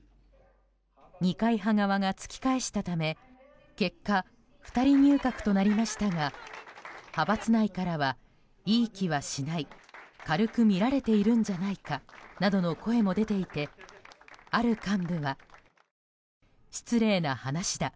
二階派側が突き返したため結果、２人入閣となりましたが派閥内からは、いい気はしない軽くみられているんじゃないかなどの声も出ていてある幹部は、失礼な話だ